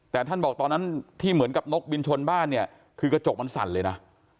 แต่ท่านบอกตอนนั้นที่เหมือนกับนกบินชนบ้านเนี่ยคือกระจกมันสั่นเลยนะ